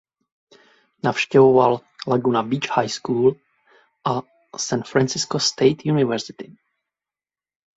Navštěvoval Laguna Beach High School a San Francisco State University.